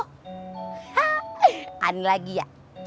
hah aneh lagi ya